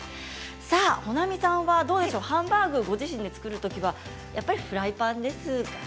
保奈美さんは、ハンバーグはご自身で作るときはやっぱりフライパンですかね？